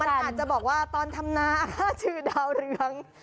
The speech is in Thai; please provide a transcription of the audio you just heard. มันอาจจะบอกว่าตอนทำนาชื่อดาวเรือง